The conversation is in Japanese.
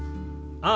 ああ。